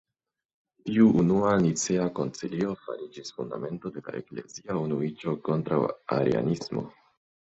Tiu unua Nicea koncilio fariĝis fundamento de la eklezia unuiĝo kontraŭ arianismo.